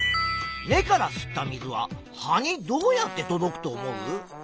根から吸った水は葉にどうやって届くと思う？